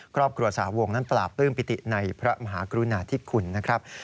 ครอบครัวสหวงนั้นปราบปลื้มปิติในพระมหากรุณาธิคุณนะครับ